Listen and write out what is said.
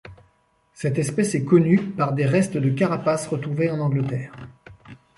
Cette espèce est connue par des restes de carapaces retrouvés en Angleterre.